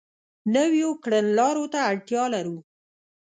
نویو کړنلارو ته اړتیا لرو.